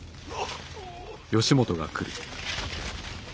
あ。